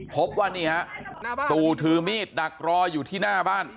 พบว่านี่ฮะตู่ถือมีดดักรออยู่ที่หน้าบ้าน